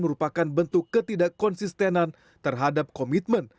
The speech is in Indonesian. merupakan bentuk ketidak konsistenan terhadap komitmen